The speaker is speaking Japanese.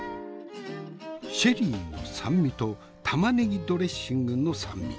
シェリーの酸味と玉ねぎドレッシングの酸味。